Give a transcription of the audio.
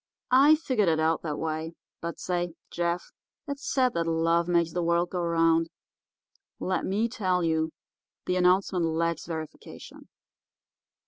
I figured it out that way. But say, Jeff, it's said that love makes the world go around. Let me tell you, the announcement lacks verification.